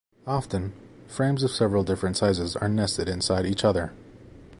Often, frames of several different sizes are nested inside each other.